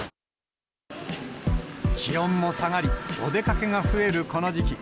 気温も下がり、お出かけが増えるこの時期。